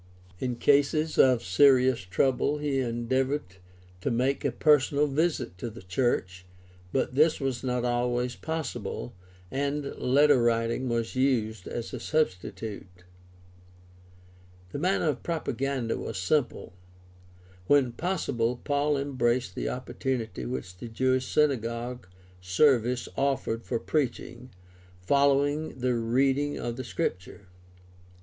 In cases of serious trouble he endeavored to make a personal visit to the church, but this was not always possible, and letter writing was used as a substitute. The manner of propaganda was simple. When possible, Paul embraced the opportunity which the Jewish synagogue service offered for preaching, following the reading of the Scripture.